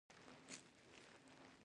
غلۀ پۀ تيارۀ کښې ګرځي ـ